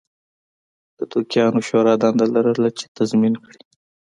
د دوکیانو شورا دنده لرله چې تضمین کړي